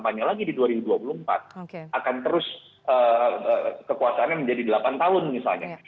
karena kalau kita mulai kampanye lagi di dua ribu dua puluh empat akan terus kekuasaannya menjadi delapan tahun misalnya